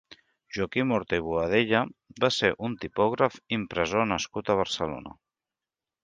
Joaquim Horta i Boadella va ser un tipògraf i impressor nascut a Barcelona.